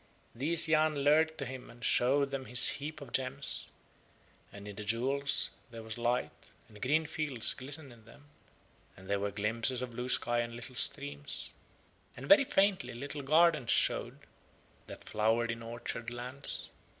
These Yahn lured to him and showed them his heap of gems; and in the jewels there was light, and green fields glistened in them, and there were glimpses of blue sky and little streams, and very faintly little gardens showed that flowered in orchard lands.